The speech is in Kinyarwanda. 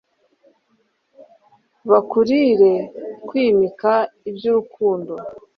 bakurire kwimika iby'urukundo